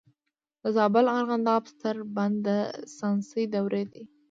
د زابل د ارغنداب ستر بند د ساساني دورې دی